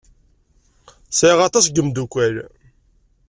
Sɛiɣ aṭas n yimeddukal.